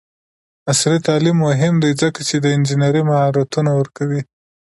عصري تعلیم مهم دی ځکه چې د انجینرۍ مهارتونه ورکوي.